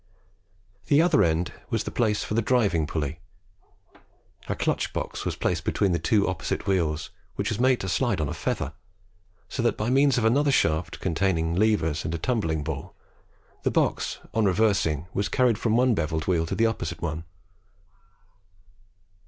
The other end was the place for the driving pulley. A clutch box was placed between the two opposite wheels, which was made to slide on a feather, so that by means of another shaft containing levers and a tumbling ball, the box on reversing was carried from one bevel wheel to the opposite one."